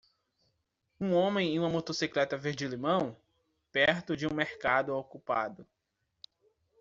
Um homem em uma motocicleta verde limão? perto de um mercado ocupado.